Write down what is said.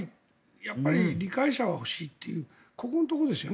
やっぱり理解者は欲しいというここのところですよね。